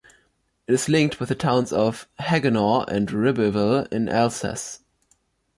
It is linked with the towns of Haguenau and Ribeauvillé in Alsace.